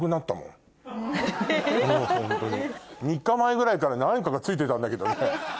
３日前ぐらいから何かがついてたんだけどね